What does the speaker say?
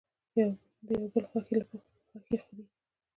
یو د بل غوښې خوري.